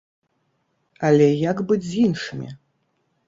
Але як быць з іншымі?